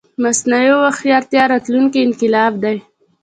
مصنوعي هوښيارتيا راتلونکې انقلاب دی